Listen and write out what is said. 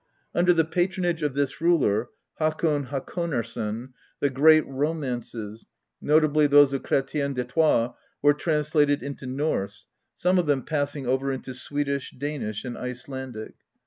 Under the patronage of this ruler, Hakon Hakonarson, the great romances, notably those of Chretien deTroyes, were trans lated into Norse, some of them passing over into Swedish, Danish, and Icelandic.